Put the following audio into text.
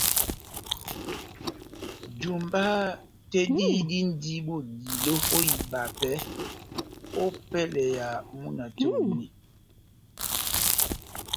Jumba tɛ́h dí dindi bodilo ó ibapɛ ópɛlɛ ya múna tɛ́h onu